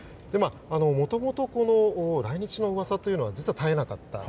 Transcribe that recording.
もともと来日の噂というのは実は、絶えなかった。